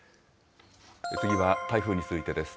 次は台風についてです。